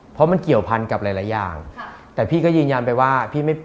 เพราะมันเกี่ยวพันธุ์กับหลายอย่างแต่พี่ก็ยืนยันไปว่า